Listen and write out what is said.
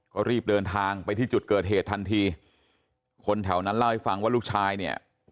ก็รีบเดินทางไปที่จุดเกิดเหตุทันทีคนแถวนั้นเล่าให้ฟังว่าลูกชายเนี่ย